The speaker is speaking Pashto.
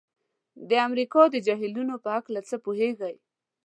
د امریکا د جهیلونو په هلکه څه پوهیږئ؟